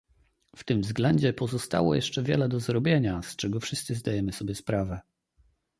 W tym względzie pozostało jeszcze wiele do zrobienia, z czego wszyscy zdajemy sobie sprawę